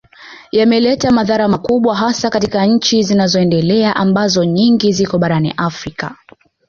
Yameleta madhara makubwa hasa katika nchi zinazoendelea ambazo nyingi ziko barani Afrika